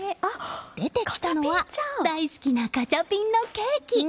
出てきたのは大好きなガチャピンのケーキ！